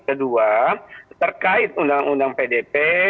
kedua terkait undang undang pdp